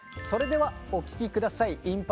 それではお聴き下さい。